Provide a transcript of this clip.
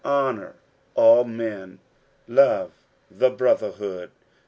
60:002:017 Honour all men. Love the brotherhood.